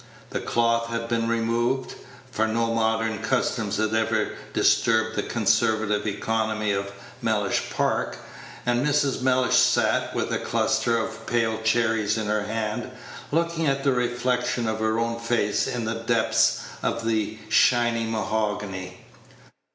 The cloth had been removed (for no modern customs had ever disturbed the conservative economy of Mellish Park), and Mrs. Mellish sat, with a cluster of pale cherries in her hand, looking at the reflection of her own face in the depths of the shining mahogany.